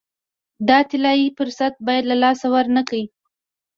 دا طلایي فرصت باید له لاسه ورنه کړي.